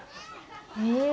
へえ。